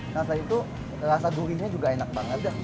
nah saya itu rasa gurihnya juga enak banget